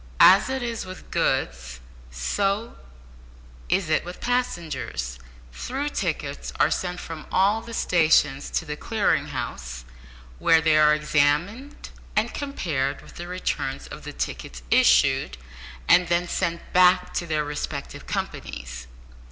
As it is with goods, so is it with passengers. Through tickets are sent from all the stations to the Clearing House, where they are examined and compared with the returns of the tickets issued, and then sent back to their respective companies.